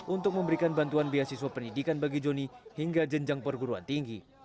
untuk memberikan bantuan beasiswa pendidikan bagi joni hingga jenjang perguruan tinggi